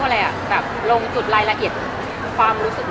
อะไรป่ะตอนนี้สบายจิตใจหนูกี่เปอร์เซ็นส์